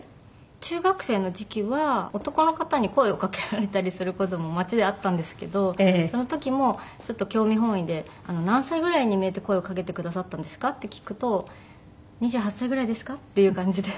中学生の時期は男の方に声を掛けられたりする事も街であったんですけどその時もちょっと興味本位で「何歳ぐらいに見えて声を掛けてくださったんですか？」って聞くと「２８歳ぐらいですか？」っていう感じで。